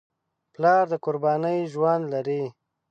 پلار د قربانۍ ژوند لري.